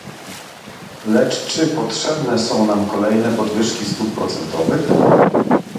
Lecz czy potrzebne są nam kolejne podwyżki stóp procentowych?